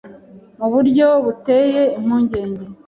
mu buryo buteye impungenge.